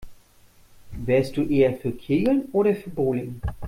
Wärst du eher für Kegeln oder für Bowling?